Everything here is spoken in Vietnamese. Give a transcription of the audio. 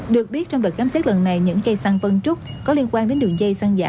được biết trong đợt gám xét lần này những cây săn vân trúc có liên quan đến đường dây xăng giả